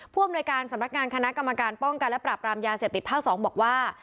อำนวยการสำนักงานคณะกรรมการป้องกันและปราบรามยาเสพติดภาค๒บอกว่า